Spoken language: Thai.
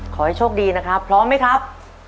ขอให้โชคดีนะครับพร้อมไหมครับ